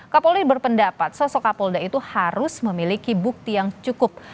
kapolri berpendapat sosok kapolda itu harus memiliki bukti yang cukup